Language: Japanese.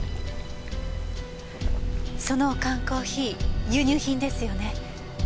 その缶コーヒー輸入品ですよね？